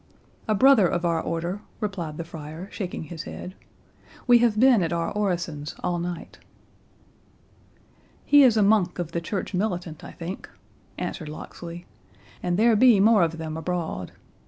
"A brother of our order," replied the friar, shaking his head; "we have been at our orisons all night." "He is a monk of the church militant, I think," answered Locksley; "and there be more of them abroad.